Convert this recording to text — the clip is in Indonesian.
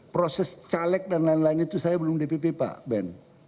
proses caleg dan lain lain itu saya belum dpp pak ben